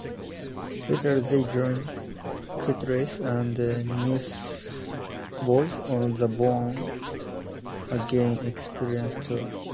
Later, they joined Kutless and Newsboys on the Born Again Experience tour.